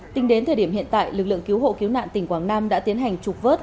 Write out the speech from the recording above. tính đến thời điểm hiện tại lực lượng cứu hộ cứu nạn tỉnh quảng nam đã tiến hành trục vớt